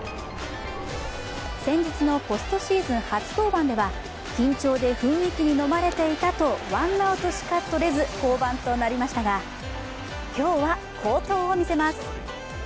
先日のポストシーズン初登板では緊張で雰囲気に飲まれていたとワンアウトしか取れず降板となりましたが今日は、好投を見せます。